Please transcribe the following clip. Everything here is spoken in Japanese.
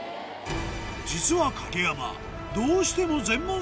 実は影山